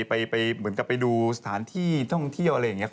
ไปเหมือนกับไปดูสถานที่ท่องเที่ยวอะไรอย่างนี้